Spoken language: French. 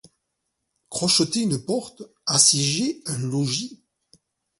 Crocheter une porte, assiéger un logis !